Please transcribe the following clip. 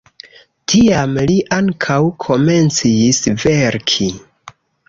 Tiam li ankaŭ komencis verki.